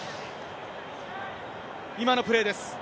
今のプレーです。